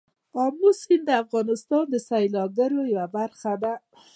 آمو سیند د افغانستان د سیلګرۍ یوه برخه ده.